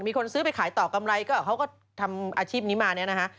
มีคนซื้อไปขายต่อกำไรก็เขาก็ทำอาชีพนี้มาเนี่ยนะฮะ